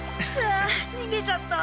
あにげちゃった。